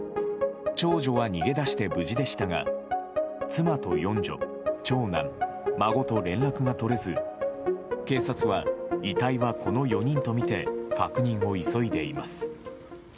長女は逃げ出して無事でしたが、妻と四女、長男、孫と連絡が取れず、警察は遺体はこの４人と見て確認を急いでいます。